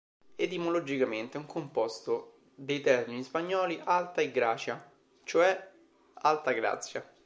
Etimologicamente, è un composto dei termini spagnoli "alta" e "gracia", cioè "alta grazia".